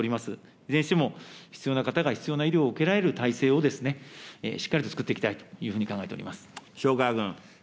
いずれにしても必要な方が必要な医療を受けられる体制を、しっかりと作っていきたいというふうに塩川君。